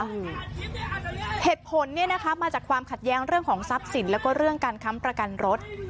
โอ้โหเหตุผลเนี่ยนะคะมาจากความขัดแย้งเรื่องของทรัพย์สินแล้วก็เรื่องการค้ำประกันรถ